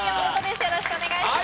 よろしくお願いします